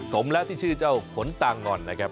สมแล้วที่ชื่อเจ้าขนตางอนนะครับ